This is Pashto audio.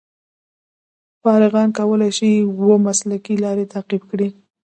فارغان کولای شي اوه مسلکي لارې تعقیب کړي.